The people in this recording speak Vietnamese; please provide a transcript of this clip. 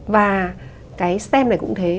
và cái stem này cũng thế